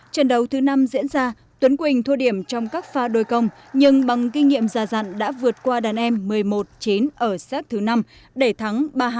trận đấu thứ năm diễn ra tuấn quỳnh thua điểm trong các pha đôi công nhưng bằng kinh nghiệm già dặn đã vượt qua đàn em một mươi một chín ở sát thứ năm để thắng ba hai